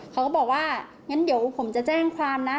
เขาก็บอกว่างั้นเดี๋ยวผมจะแจ้งความนะ